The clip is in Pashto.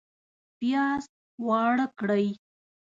پیاز واړه کړئ